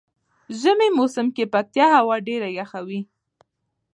ژمی موسم کې پکتيا هوا ډیره یخه وی.